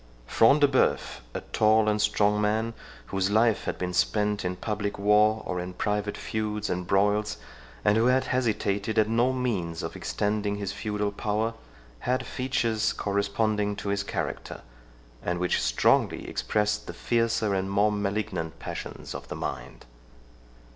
Front de Bœuf, a tall and strong man, whose life had been spent in public war or in private feuds and broils, and who had hesitated at no means of extending his feudal power, had features corresponding to his character, and which strongly expressed the fiercer and more malignant passions of the mind.